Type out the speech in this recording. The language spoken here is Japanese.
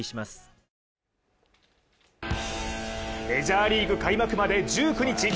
メジャーリーグ開幕まで１９日。